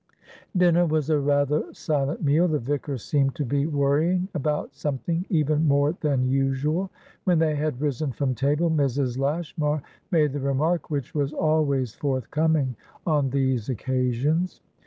Dinner was a rather silent meal. The vicar seemed to be worrying about something even more than usual. When they had risen from table, Mrs. Lashmar made the remark which was always forthcoming on these occasions.